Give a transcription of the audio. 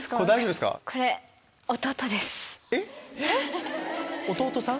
えっ⁉弟さん？